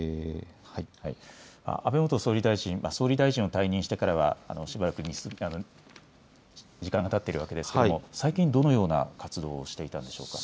安倍元総理大臣、今、総理大臣を退任してからはしばらく時間がたっているわけですが最近、どのような活動をしていたんでしょうか。